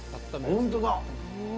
本当だ。